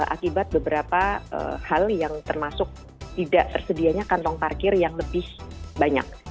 akibat beberapa hal yang termasuk tidak tersedianya kantong parkir yang lebih banyak